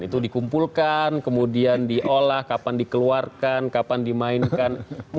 itu dikumpulkan kemudian diolah kapan dikeluarkan kapan dimainkan